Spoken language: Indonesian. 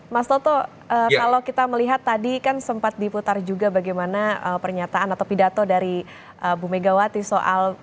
mas toto kalau kita melihat tadi kan sempat diputar juga bagaimana pernyataan atau pidato dari bu megawati soal